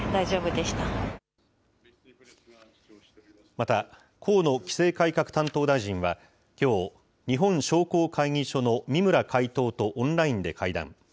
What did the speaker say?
また、河野規制改革担当大臣はきょう、日本商工会議所の三村会頭とオンラインで会談。